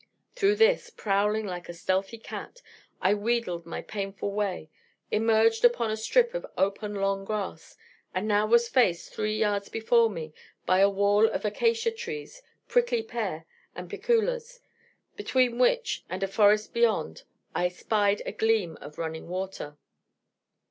Through this, prowling like a stealthy cat, I wheedled my painful way, emerged upon a strip of open long grass, and now was faced, three yards before me, by a wall of acacia trees, prickly pear and pichulas, between which and a forest beyond I spied a gleam of running water.